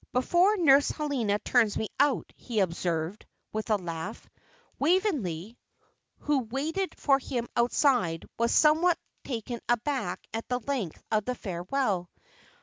"Before Nurse Helena turns me out," he observed, with a laugh. Waveney, who waited for him outside, was somewhat taken aback at the length of the farewell.